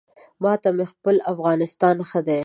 ما ته مې خپل افغانستان ښه دی